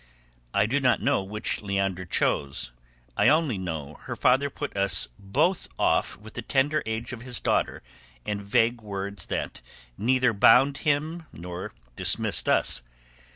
I do not know which Leandra chose; I only know her father put us both off with the tender age of his daughter and vague words that neither bound him nor dismissed us.